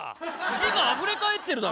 字があふれ返ってるだろ。